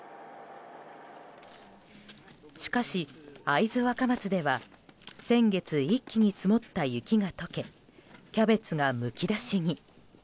しかし、会津若松では先月一気に積もった雪が解けキャベツがむき出しに。